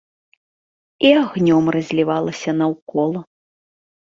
І агнём разлівалася наўкола.